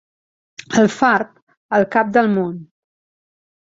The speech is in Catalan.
Alfarb, el cap del món.